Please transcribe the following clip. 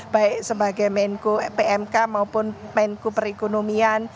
baik sebagai menko pmk maupun menko perekonomian